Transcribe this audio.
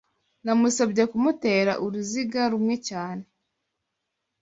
Namusabye kumutera uruziga rumwe cyane